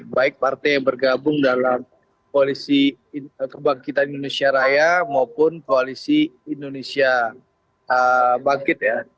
baik partai yang bergabung dalam koalisi kebangkitan indonesia raya maupun koalisi indonesia bangkit ya